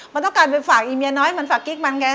มันต้องการไปฝากอีเมียน้อยมันฝากกิ๊กมันไง